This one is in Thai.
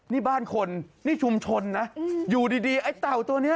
นี่บ้านคนนี่ชุมชนนะอยู่ดีไอ้เต่าตัวนี้